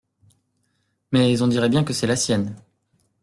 Mais on dirait bien que c’est la sienne.